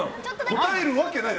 答えるわけない。